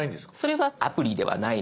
それはアプリではないので。